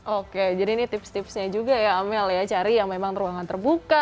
oke jadi ini tips tipsnya juga ya amel ya cari yang memang ruangan terbuka